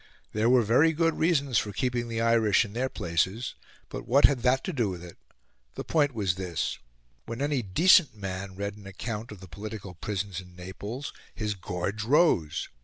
There were very good reasons for keeping the Irish in their places; but what had that to do with it? The point was this when any decent man read an account of the political prisons in Naples his gorge rose.